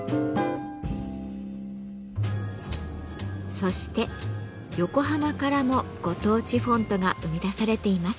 そして横浜からもご当地フォントが生み出されています。